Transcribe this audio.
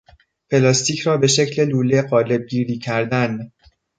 پلاستیک را به شکل لوله قالبگیری کردن